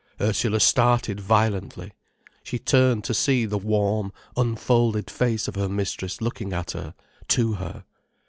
Ursula started violently. She turned to see the warm, unfolded face of her mistress looking at her, to her.